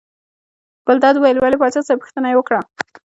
ګلداد وویل ولې پاچا صاحب پوښتنه یې وکړه.